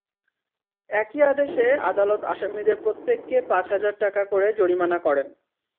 একই আদেশে আদালত আসামিদের প্রত্যেককে পাঁচ হাজার টাকা করে জরিমানা করেন।